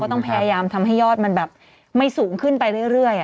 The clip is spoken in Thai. ต้องพยายามทำให้ยอดมันแบบไม่สูงขึ้นไปเรื่อย